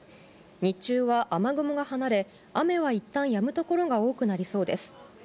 日中は雨雲が離れ、雨はいったんやむ所が多くなりそうです。